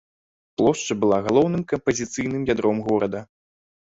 Плошча была галоўным кампазіцыйным ядром горада.